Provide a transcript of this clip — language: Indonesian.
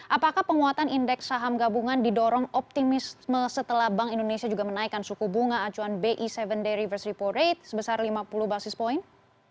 apakah penguatan indeks saham gabungan didorong optimisme setelah bank indonesia juga menaikkan suku bunga acuan bi tujuh day reverse repo rate sebesar lima puluh basis point